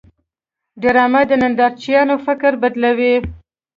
ډرامه د نندارچیانو فکر بدلوي